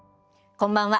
こんばんは。